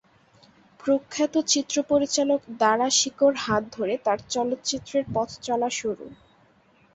প্রখ্যাত চিত্র পরিচালক দারাশিকো’র হাত ধরে তার চলচ্চিত্রের পথচলা শুরু।